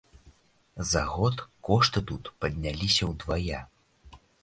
За год кошты тут падняліся ўдвая!